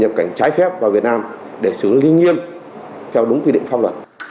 nhập cảnh trái phép vào việt nam để xử lý nghiêm theo đúng quy định pháp luật